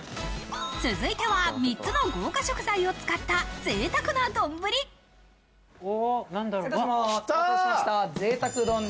続いては３つの豪華食材を使った贅沢な丼。